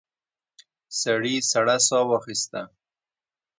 سړي سړه ساه واخیسته.